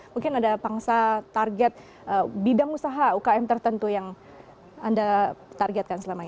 mungkin ada pangsa target bidang usaha ukm tertentu yang anda targetkan selama ini